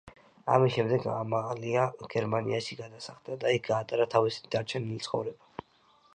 ამის შემდეგ ამალია გერმანიაში გადასახლდა და იქ გაატარა თავისი დარჩენილი ცხოვრება.